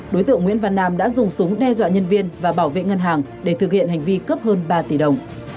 đối tượng nguyễn văn nam đã dùng súng đe dọa nhân viên và bảo vệ ngân hàng để thực hiện hành vi cướp hơn ba tỷ đồng